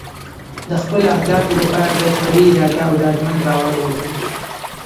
د خپلو اهدافو لپاره باید قوي اراده او ډاډمن باور ولرو.